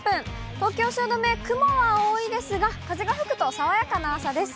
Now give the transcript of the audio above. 東京・汐留、雲は多いですが、風が吹くと爽やかな朝です。